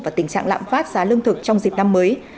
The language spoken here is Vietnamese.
và tình trạng lạm phát giá lương thực trong dịp năm mới